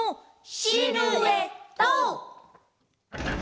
シルエット！